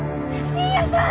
信也さん！